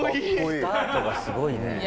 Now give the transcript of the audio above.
スタートがすごいね。